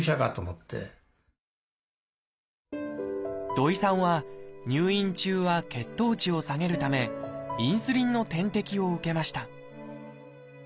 土井さんは入院中は血糖値を下げるためインスリンの点滴を受けました